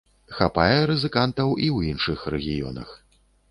Хапае рызыкантаў і ў іншых рэгіёнах.